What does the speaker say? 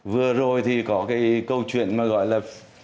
vừa rồi thì có cái câu chuyện mà gọi là